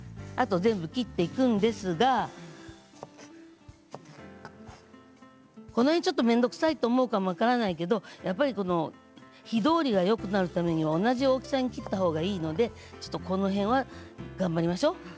あと全部切っていくんですがこの辺ちょっと面倒くさいと思うかも分からないけど火通りがよくなるためには同じ大きさに切ったほうがいいのでこの辺はちょっと頑張りましょう。